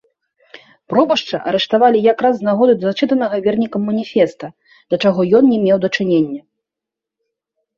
Пробашча арыштавалі якраз з нагоды зачытанага вернікам маніфеста, да чаго ён не меў дачынення.